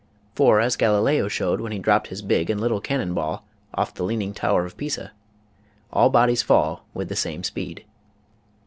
For, as Galileo showed when he dropped his big and little cannon ball off the Leaning Tower of Pisa, all bodies fall with the same speed.